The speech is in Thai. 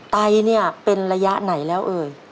ไตเนี่ยเป็นระยะไหนแล้วเอ่ย